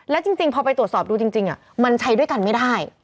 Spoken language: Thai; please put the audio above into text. แล้วจริงพอไปตรวจสอบดูจริงมันใช้ด้วยกันไม่ได้